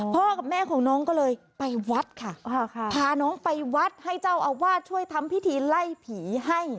กับแม่ของน้องก็เลยไปวัดค่ะพาน้องไปวัดให้เจ้าอาวาสช่วยทำพิธีไล่ผีให้